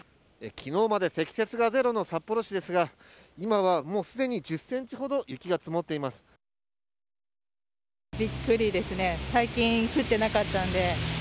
昨日まで積雪がゼロの札幌市ですが今はもうすでに１０ｃｍほど雪が積もっています。